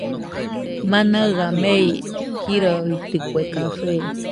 Manaɨa mei jiroitɨkue café